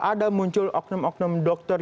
ada muncul oknum oknum dokter